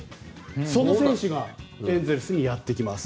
その選手がエンゼルスにやってきます。